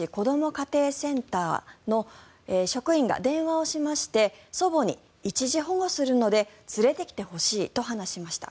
家庭センターの職員が電話をしまして祖母に一時保護するので連れてきてほしいと話しました。